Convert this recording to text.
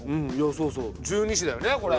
そうそう十二支だよねこれ。